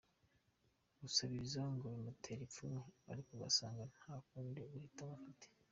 Gusabiriza ngo bimutera ipfunwe, ariko agasanga nta kundi guhitamo afite.